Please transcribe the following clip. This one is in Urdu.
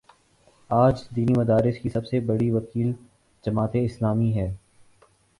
آج دینی مدارس کی سب سے بڑی وکیل جماعت اسلامی ہے۔